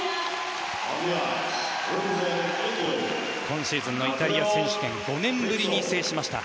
今シーズンのイタリア選手権を５年ぶりに制しました。